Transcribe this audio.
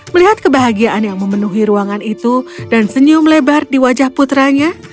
melihat kebahagiaan yang memenuhi ruangan itu dan senyum lebar di wajah putranya